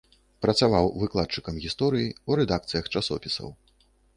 Працаваў выкладчыкам гісторыі, у рэдакцыях часопісаў.